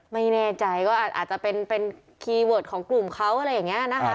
ไม่แน่ใจก็อาจจะเป็นคีย์เวิร์ดของกลุ่มเขาอะไรอย่างนี้นะคะ